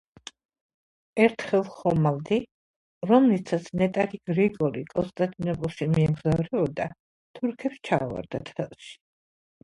ერთხელ ხომალდი, რომლითაც ნეტარი გრიგოლი კონსტანტინოპოლში მიემგზავრებოდა, თურქებს ჩაუვარდათ ხელში.